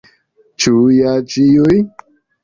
Ĉu ja ĉiuj?